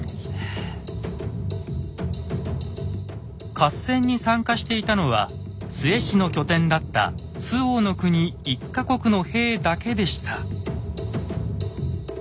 合戦に参加していたのは陶氏の拠点だった周防国１か国の兵だけでした。